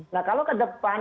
nah kalau ke depan